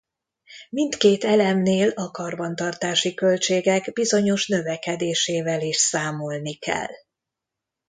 Mindkét elemnél a karbantartási költségek bizonyos növekedésével is számolni kell.